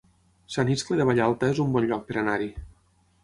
Sant Iscle de Vallalta es un bon lloc per anar-hi